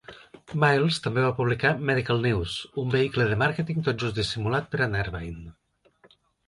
Miles també va publicar "Medical News", un vehicle de màrqueting tot just dissimulat per a Nervine.